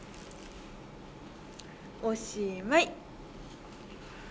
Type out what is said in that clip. おしまい。